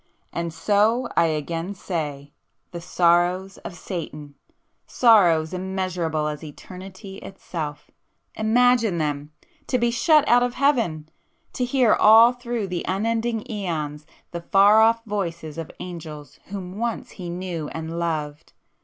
"And so I again say—the sorrows of Satan! Sorrows immeasurable as eternity itself,—imagine them! To be shut out of Heaven!—to hear all through the unending æons, the far off voices of angels whom once he knew and loved!